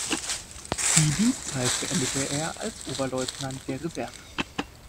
Die Dienstzeit beendete er als Oberleutnant der Reserve.